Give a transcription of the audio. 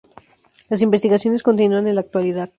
Las investigaciones continúan en la actualidad.